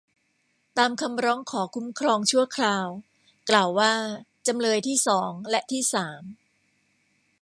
ตามคำร้องขอคุ้มครองชั่วคราวกล่าวว่า จำเลยที่สองและที่สาม